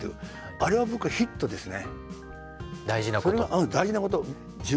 あれは僕ヒットですね。